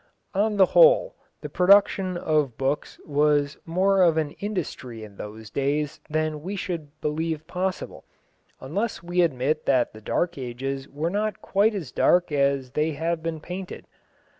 On the whole, the production of books was more of an industry in those days than we should believe possible, unless we admit that the Dark Ages were not quite as dark as they have been painted.